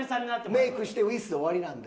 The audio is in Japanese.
メイクして「ウイッス」終わりなんで。